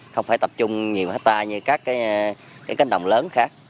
không phải tập trung nhiều hết ta như các cái đồng lớn khác